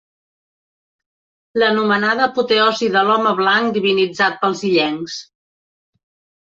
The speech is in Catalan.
L'anomenada apoteosi de l'home blanc divinitzat pels illencs.